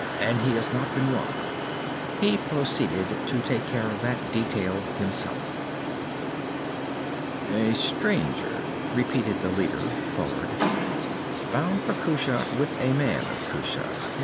And he has not been robbed." He proceeded to take care of that detail himself. "A stranger," repeated the leader, Thord. "Bound for Kushat, with a man of Kushat.